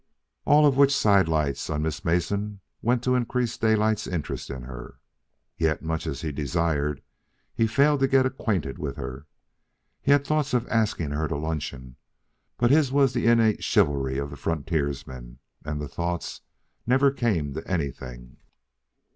All of which side lights on Miss Mason went to increase Daylight's interest in her. Yet, much as he desired, he failed to get acquainted with her. He had thoughts of asking her to luncheon, but his was the innate chivalry of the frontiersman, and the thoughts never came to anything.